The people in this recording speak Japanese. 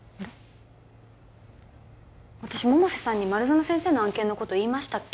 私百瀬さんに丸園先生の案件のこと言いましたっけ？